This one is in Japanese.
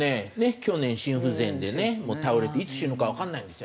去年心不全でね倒れていつ死ぬかわかんないんですよ